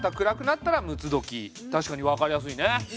確かに分かりやすいね。